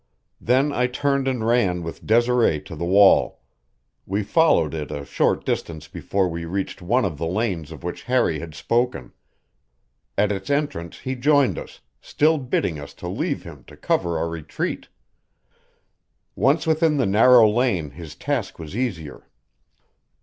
Then I turned and ran with Desiree to the wall. We followed it a short distance before we reached one of the lanes of which Harry had spoken; at its entrance he joined us, still bidding us to leave him to cover our retreat. Once within the narrow lane his task was easier.